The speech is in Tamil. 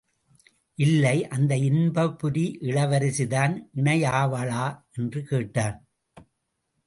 இல்லை அந்த இன்பபுரி இளவரசிதான் இணையாவாளா? என்று கேட்டான்.